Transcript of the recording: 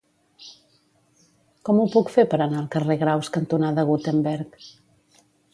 Com ho puc fer per anar al carrer Graus cantonada Gutenberg?